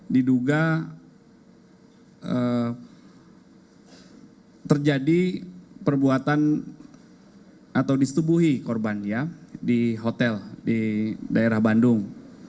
diduga terjadi perbuatan atau disetubuhi korban di hotel di daerah bandung